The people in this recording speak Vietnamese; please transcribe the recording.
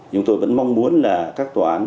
chúng tôi vẫn mong muốn là các tòa án